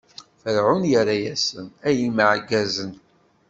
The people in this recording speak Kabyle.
Ferɛun irra-asen: Ay imeɛgazen!